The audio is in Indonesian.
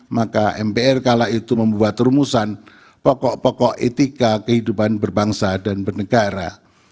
maka mpr kala itu membuat rumusan pokok pokok etika kehidupan berbangsa dan bernegara